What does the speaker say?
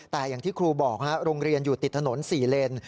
แต่อย่างที่ครูบอกโรงเรียนอยู่ติดถนน๔เลน